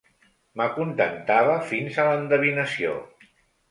M'acontentava fins a l'endevinació.